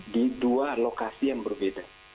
di dua lokasi yang berbeda